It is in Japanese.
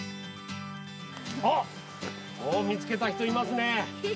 あっ、もう見つけた人いますね。